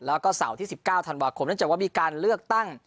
แล้วก็เสาร์ที่สิบเก้าธันวาคมนั้นจะว่ามีการเลือกตั้ง